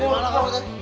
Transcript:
dari mana kamu teh